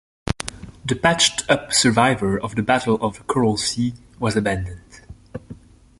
The patched-up survivor of the Battle of the Coral Sea was abandoned.